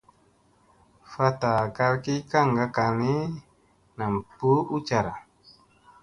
Fatta kal ki kaŋga kal ni, nam buu ucara.